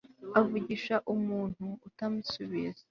avugisha umuntu utamusubiza